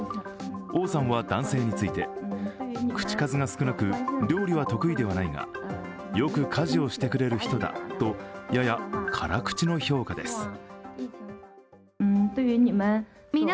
王さんは男性について、口数が少なく料理は得意ではないがよく家事をしてくれる人だと、やや辛口の評価です。